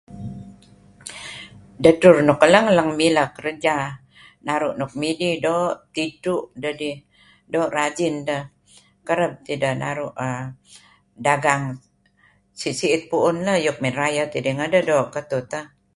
Dadtur nuk lang lang milah kerja naruh nuk midih, do tidtuh dah dih , do rajin dah kareb tidah naruh err dagang si'it si'it pu'un lah iyuk man rayah tidih ngadah, do katuh tah.